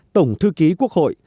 tổng thư ký quốc hội